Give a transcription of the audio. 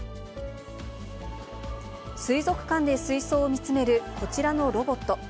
水族館で水槽を見つめるこちらのロボット。